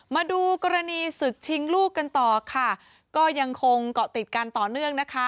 มาดูกรณีศึกชิงลูกกันต่อค่ะก็ยังคงเกาะติดกันต่อเนื่องนะคะ